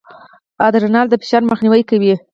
ادرانال د فشار مخنیوی کوي.